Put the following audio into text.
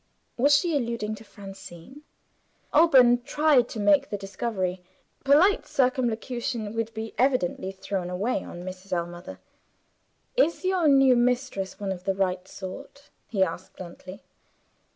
Was she alluding to Francine? Alban tried to make the discovery. Polite circumlocution would be evidently thrown away on Mrs. Ellmother. "Is your new mistress one of the right sort?" he asked bluntly.